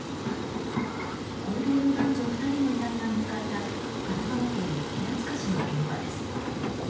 高齢の男女２人の遺体が見つかった神奈川県平塚市の現場です。